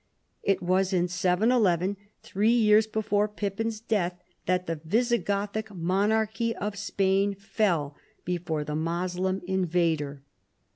It was in 711, three years before Pippin's death, that the Visigothic monarchy of Spain fell before the Moslem invader.